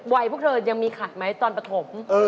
วัยพวกเธอยังมีขัดไหมตอนประถม